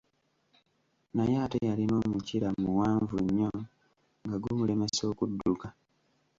Naye ate yalina omukira muwaanvu nnyo nga gumulemesa okudduka.